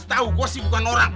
setahu gua sih bukan orang